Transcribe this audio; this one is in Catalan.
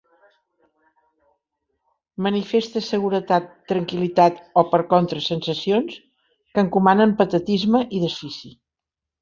Manifeste seguretat, tranquil·litat o, per contra, sensacions que encomanen patetisme i desfici.